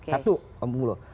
satu kampung pulo